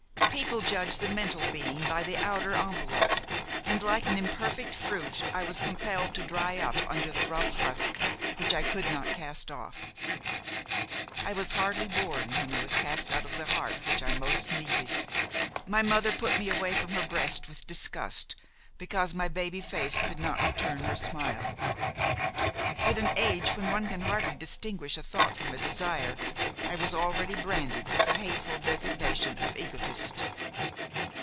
People judged the mental being by the outer envelope and, like an imperfect fruit I was compelled to dry up under the rough husk which I could not cast off. I was hardly born when I was cast out of the heart which I most needed. My mother put me away from her breast with disgust, because my baby face could not return her smile. At an age when one can hardly distinguish a thought from a desire, I was already branded with the hateful designation of egotist.